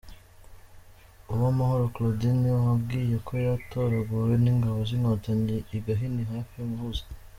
Uwamahoro Claudine wabwiwe ko yatoraguwe n’Ingabo z’Inkotanyi i Gahini hafi ya Muhazi.